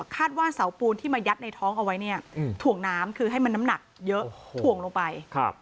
ว่าเสาปูนที่มายัดในท้องเอาไว้เนี่ยถ่วงน้ำคือให้มันน้ำหนักเยอะถ่วงลงไป